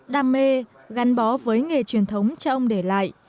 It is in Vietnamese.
đam mê gắn bó với nghề truyền thống cha ông để lại